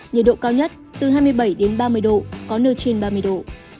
nhiệt độ cao nhất từ hai mươi bảy đến ba mươi độ có nơi trên ba mươi độ